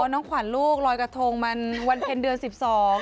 โอ้โหน้องขวันลูกรอยกระทงวันเป็นเดือน๑๒